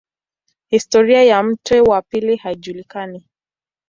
Historia ya mto wa pili haijulikani.